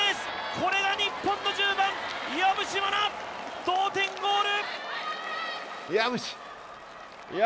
これが日本の１０番・岩渕真奈、同点ゴール。